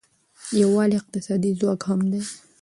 یووالی اقتصادي ځواک هم دی.